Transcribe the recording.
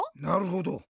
なるほど。